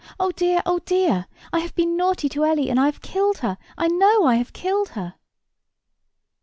"Oh dear, oh dear! I have been naughty to Ellie, and I have killed her—I know I have killed her."